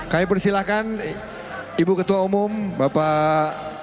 kami persilahkan ibu ketua umum bapak